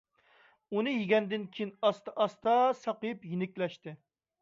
ئۇنى يېگەندىن كېيىن ئاستا - ئاستا ساقىيىپ يېنىكلەشتى.